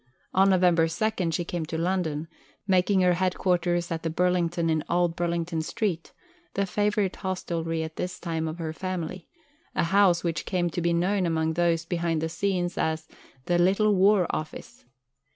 On November 2, she came to London, making her headquarters at the Burlington in Old Burlington Street, the favourite hostelry at this time of her family: a house which came to be known among those behind the scenes as "The Little War Office."